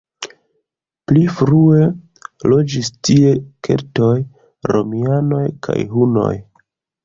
Pli frue loĝis tie keltoj, romianoj kaj hunoj.